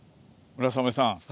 村雨さん。